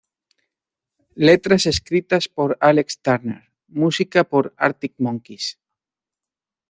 Letras escritas por Alex Turner, música por Arctic Monkeys.